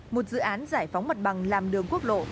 một dự án giải phóng mặt bằng làm đường quốc lộ